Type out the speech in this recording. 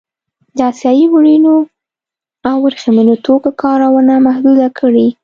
د اسیايي وړینو او ورېښمينو توکو کارونه محدوده کړي.